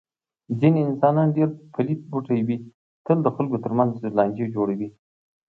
ځنې انسانان ډېر پلیت بوټی وي. تل د خلکو تر منځ لانجې جوړوي.